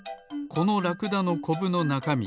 このラクダのコブのなかみ